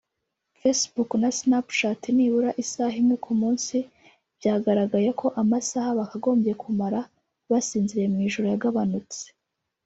Facebook na Snapchat nibura isaha imwe ku munsi byagaragaye ko amasaha bakagombye kumara basinziriye mu ijoro yagabanutse